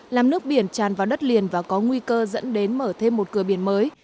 làm nước biển tràn vào đất liền và có nguy cơ dẫn đến mở thêm một cửa biển mới